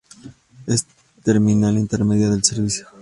Es terminal intermedia del servicio.